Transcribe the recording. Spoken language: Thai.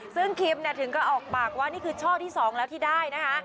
ซึ่งคิมถึงก็ออกปากว่านี่คือช่อที่๒แล้วที่ได้นะคะ